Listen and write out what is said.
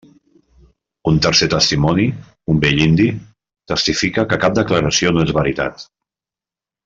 Un tercer testimoni, un vell indi, testifica que cap declaració no és veritat.